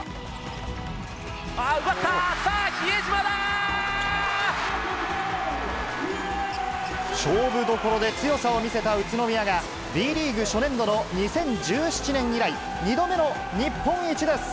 さあ、比江島勝負どころで強さを見せた宇都宮が、Ｂリーグ初年度の２０１７年以来、２度目の日本一です。